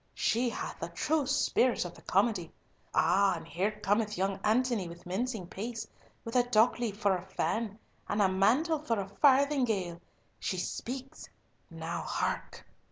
She hath the true spirit of the Comedy—ah! and here cometh young Antony with mincing pace, with a dock leaf for a fan, and a mantle for a farthingale! She speaks! now hark!"